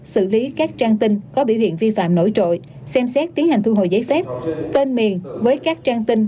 xử lý các trang tin có biểu hiện vi phạm nổi trội xem xét tiến hành thu hồi giấy phép tên miền với các trang tin